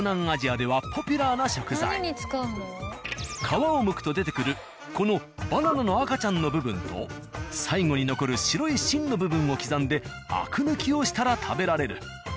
皮をむくと出てくるこのバナナの赤ちゃんの部分と最後に残る白い芯の部分を刻んでアク抜きをしたら食べられる。